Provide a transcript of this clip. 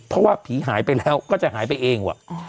เพราะว่าผีหายไปแล้วก็จะหายไปเองว่ะ